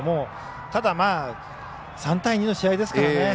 ただ、３対２の試合ですからね。